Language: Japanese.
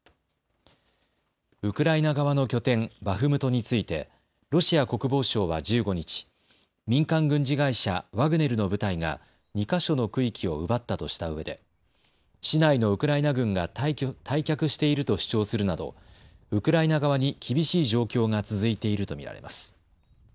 ウクライナ側の拠点、バフムトについてロシア国防省は１５日、民間軍事会社、ワグネルの部隊が２か所の区域を奪ったとしたうえで市内のウクライナ軍が退却していると主張するなどウクライナ側に厳しい状況が続いていると見られます。